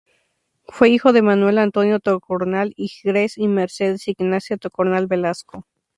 Fue hijo de Manuel Antonio Tocornal y Grez y Mercedes Ignacia Tocornal Velasco.